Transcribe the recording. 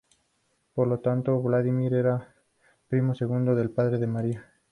Por lo tanto, Vladímir era primo segundo del padre de María.